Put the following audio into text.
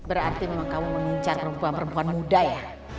berarti kamu menuncar perempuan perempuan muda ya